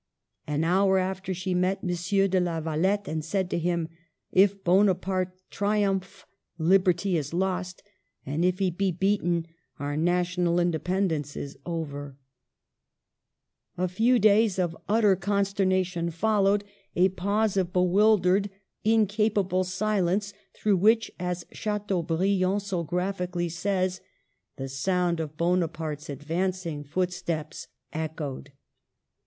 An hour after she met M. de la Valette, and said to him :" If Bonaparte triumph, liberty is lost ; and if he be beaten, our national independence is over/' A few days of utter consternation followed — a pause of bewildered, incapable silence, through which, as Chateaubriand so graphically says, " the sound of Bonaparte's advancing footsteps Digitized by VjOOQIC 192 MADAME DE STAML. echoed."